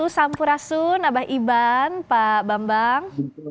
sampurasun abah iban pak bambang